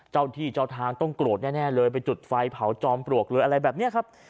เจ้าที่เจ้าทางต้องโกรธแน่เลยไปจุดไฟเผาจอมปลวกเลยอะไรแบบนี้ครับ